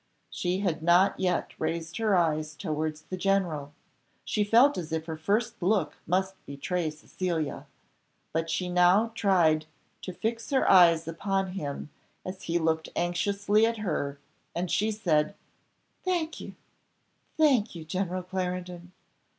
She had not yet raised her eyes towards the general; she felt as if her first look must betray Cecilia; but she now tried to fix her eyes upon him as he looked anxiously at her, and she said, "thank you, thank you, General Clarendon!